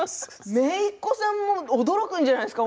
めいっ子さんも驚くんじゃないですか？